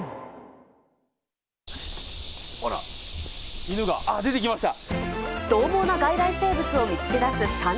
ほら、犬が、出てきました。